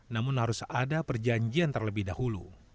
namun harus ada perjanjian terlebih dahulu